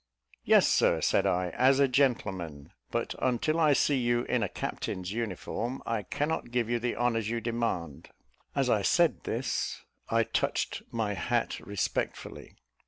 "Yes, Sir," said I, "as a gentleman; but until I see you in a captain's uniform, I cannot give you the honours you demand:" as I said this, I touched my hat respectfully.